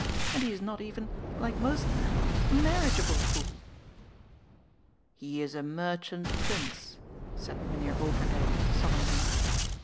And he is not even — ^like most men — ^a marriageable fool." "He is a merchant prince," said Mynheer Overdyk solemnly.